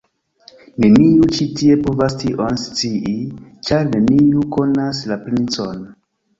Neniu ĉi tie povas tion scii, ĉar neniu konas la princon!